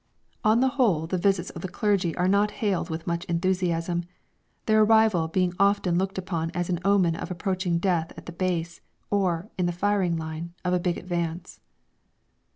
On the whole the visits of the clergy are not hailed with much enthusiasm, their arrival being often looked upon as an omen of approaching death at the Base, or, in the firing line, of a big advance.